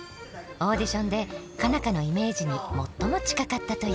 オーディションで佳奈花のイメージに最も近かったという。